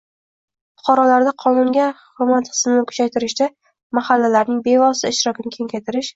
fuqarolarda qonunga hurmat hissini kuchaytirishda mahallalarning bevosita ishtirokini kengaytirish;